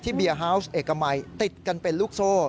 เบียร์ฮาวส์เอกมัยติดกันเป็นลูกโซ่